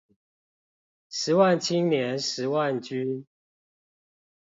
十萬青年十萬軍